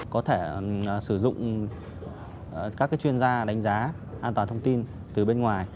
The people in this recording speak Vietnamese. có thể sử dụng các chuyên gia đánh giá an toàn thông tin từ bên ngoài